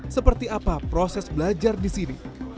seperti apa proses belajar di sini